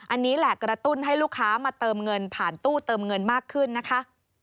อันนี้แหละกระตุ้นให้ลูกค้ามาเติมเงินผ่านตู้เติมเงินมากขึ้นนะคะ